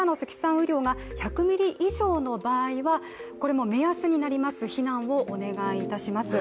雨量が１００ミリ以上の場合は、これも目安になります、避難をお願いいたします。